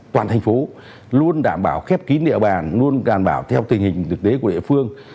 toàn thành phố luôn đảm bảo khép kín địa bàn luôn đảm bảo theo tình hình thực tế của địa phương